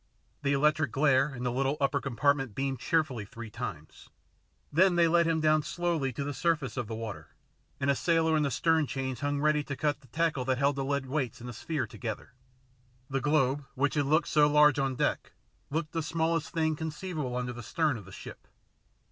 The electric glare in the little upper compartment beamed cheerfully three times. Then they let him down slowly to the surface of the water, and a sailor in the stern chains hung ready to cut the tackle that held the lead weights and the sphere together. The globe, which had looked so large on deck, looked the smallest thing conceivable under the stern of the ship.